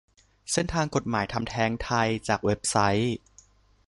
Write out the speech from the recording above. เส้นทางกฎหมายทำแท้งไทย จากเว็บไซค์